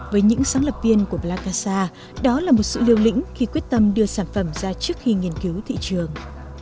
với những sáng lập viên của plakasa đó là một sự lưu lĩnh khi quyết tâm đưa sản phẩm ra trước khi nghiên cứu thị trường